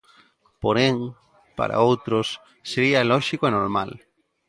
Porén, para outros, sería lóxico e normal.